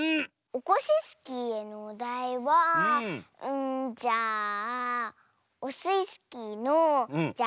オコシスキーへのおだいはうんじゃあオスイスキーのじゃあ「き」。